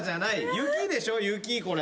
雪でしょ雪これ。